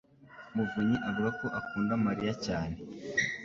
muvunyi avuga ko akunda Mariya cyane.